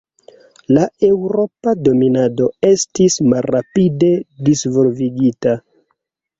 La eŭropa dominado estis malrapide disvolvigita.